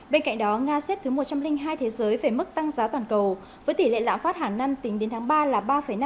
bên cạnh đó nga xếp thứ một trăm linh hai thế giới về mức tăng giá toàn cầu với tỷ lệ lãng phát hàng năm tính đến tháng ba là ba năm